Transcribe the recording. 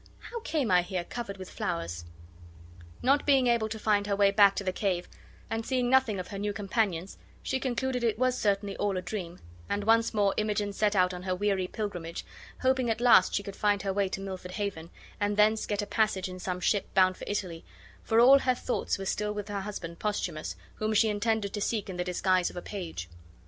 How came I here covered with flowers?" Not being able to find her way back to the cave, and seeing nothing of her new companions, she concluded it was certainly all a dream; and once more Imogen set out on her weary pilgrimage, hoping at last she should find her way to Milford Haven, and thence get a passage in some ship bound for Italy; for all her thoughts were still with her husband, Posthumus, whom she intended to seek in the disguise of a page.